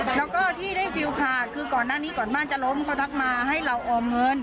แล้วก็ที่ได้ฟิลขาดคือก่อนหน้านี้ก่อนบ้านจะล้มเขาทักมาให้เราออมเงิน